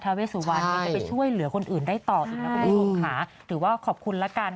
ทาเวสุวรรณจะไปช่วยเหลือคนอื่นได้ต่อถือว่าขอบคุณละกัน